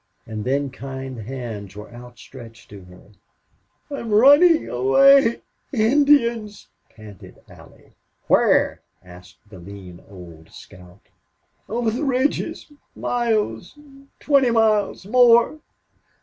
And then kind hands were outstretched to her. "I'm running away... Indians!" panted Allie. "Whar?" asked the lean old scout. "Over the ridges miles twenty miles more.